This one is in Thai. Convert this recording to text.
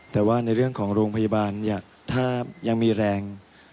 แต่ว่าในเรื่องของโรงพยาบาลถ้ายังมีแรง